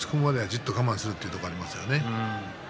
じっと我慢するというところもありますね。